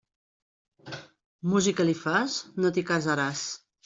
Música li fas? No t'hi casaràs.